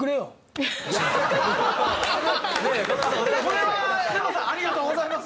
これは根本さんありがとうございます